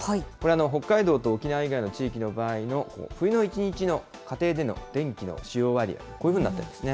北海道と沖縄以外の地域の場合の冬の１日の家庭での電気の使用割合、こういうふうになってるんですね。